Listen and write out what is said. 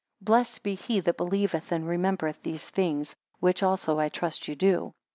9 Blessed be he that believeth and remembereth these things; which also I trust you do.